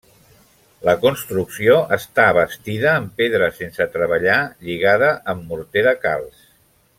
La construcció està bastida en pedra sense treballar lligada amb morter de calç.